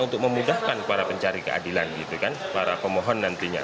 untuk memudahkan para pencari keadilan gitu kan para pemohon nantinya